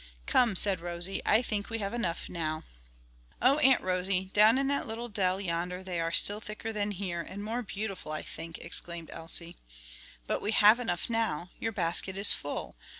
"Come," said Rosie, "I think we have enough now." "O Aunt Rosie, down in that little dell yonder they are still thicker than here, and more beautiful, I think," exclaimed Elsie. "But we have enough now; your basket is full.